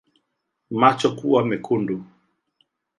Macho kuwa mekundu